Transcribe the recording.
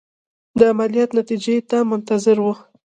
د عملیات نتیجې ته منتظر وو.